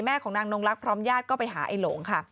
ของนางนงลักษ์พร้อมญาติก็ไปหาไอ้หลงค่ะ